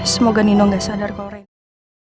semoga nino gak sadar kalau reno